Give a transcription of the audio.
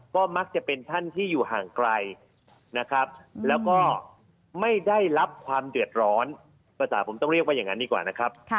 ก็มักจะเป็นท่านที่อยู่ห่างไกลนะครับแล้วก็ไม่ได้รับความเดือดร้อนภาษาผมต้องเรียกว่าอย่างนั้นดีกว่านะครับ